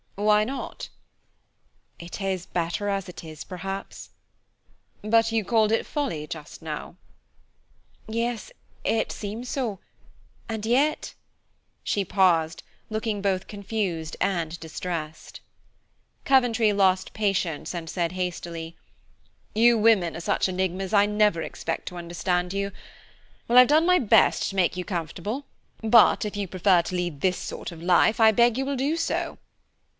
"Why not?" "It is better as it is, perhaps." "But you called it folly just now." "Yes, it seems so, and yet " She paused, looking both confused and distressed. Coventry lost patience, and said hastily, "You women are such enigmas I never expect to understand you! Well, I've done my best to make you comfortable, but if you prefer to lead this sort of life, I beg you will do so."